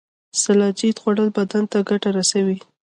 سلاجید خوړل بدن ته ګټه رسوي